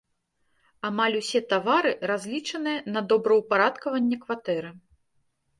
Амаль усе тавары разлічаныя на добраўпарадкаванне кватэры.